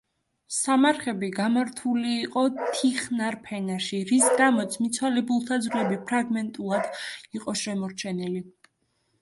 სამარხები გამართული იყო თიხნარ ფენაში, რის გამოც მიცვალებულთა ძვლები ფრაგმენტულად იყო შემორჩენილი.